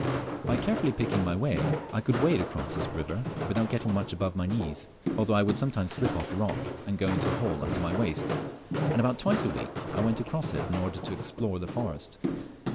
By carefully picking my way I could wade across this river without getting much above my knees, although I would sometimes slip off a rock and go into a hole up to my waist, and about twice a week I went across it in order to explore the forest.